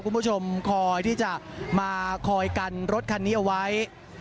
คุณผู้ชมคอยที่จะมาคอยกันรถคันนี้เอาไว้